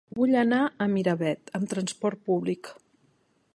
Vull anar a Miravet amb trasport públic.